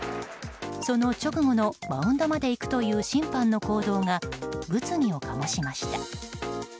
その直後のマウンドまで行くという審判の行動が物議を醸しました。